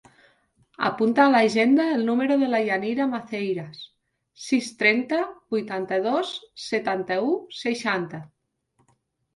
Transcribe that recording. Apunta a l'agenda el número de la Yanira Maceiras: sis, trenta, vuitanta-dos, setanta-u, seixanta.